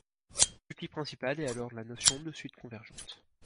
L'outil principal est alors la notion de suite convergente.